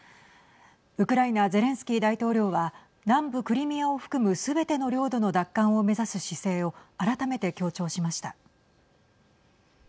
ウクライナゼレンスキー大統領は南部クリミアを含むすべての領土の奪還を目指す姿勢を改めて強調しました。